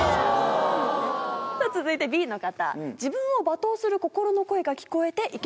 続いてＢの方。